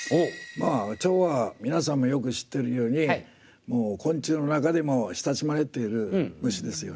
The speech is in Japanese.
蝶は皆さんもよく知ってるようにもう昆虫の中でも親しまれている虫ですよね。